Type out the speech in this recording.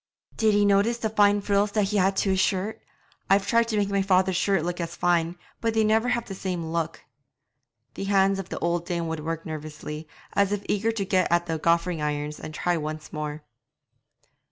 'Did ye notice the fine frills that he has to his shirt? I've tried to make my father's shirts look as fine, but they never have the same look.' The hands of the old dame would work nervously, as if eager to get at the goffering irons and try once more.